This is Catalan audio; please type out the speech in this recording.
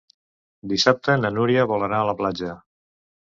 Dissabte na Núria vol anar a la platja.